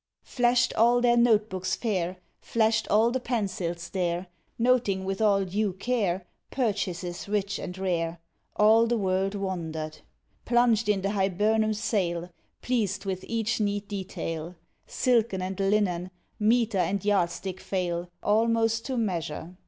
Flash'd all their note books fair, Flash'd all the pencils there, Noting with all due care, Purchases rich and rare. All the world wondered j Plunged in the " Hibernum Sale," Pleased with each neat detail ; Silken and Linen Metre and yard stick fail Almost to measure.